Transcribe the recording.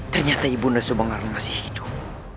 ternyata ibunda subangar masih hidup